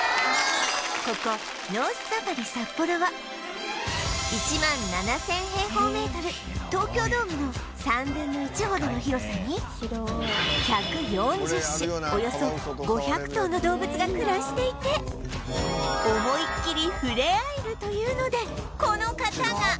ここノースサファリサッポロは１万７０００平方メートル東京ドームの３分の１ほどの広さに１４０種およそ５００頭の動物が暮らしていて思いっきり触れ合えるというのでこの方が